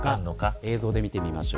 映像で見てみましょう。